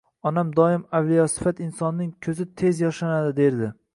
Onam doim Avliyosifat insonning ko`zi tez yoshlanadi, derdi